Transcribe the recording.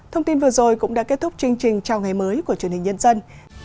thông tin vừa rồi cũng đã kết thúc chương trình chào ngày mới của truyền hình nhân dân